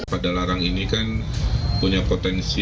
padalarang ini kan punya potensi